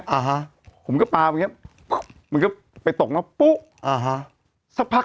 อ่าฮะผมก็ปลาเมื่อกี้มันก็ไปตกมาปุ๊อ่าฮะสักพัก